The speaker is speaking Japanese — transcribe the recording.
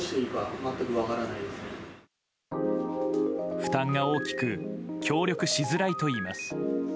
負担が大きく協力しづらいといいます。